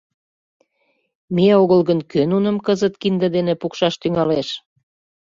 Ме огыл гын, кӧ нуным кызыт кинде дене пукшаш тӱҥалеш.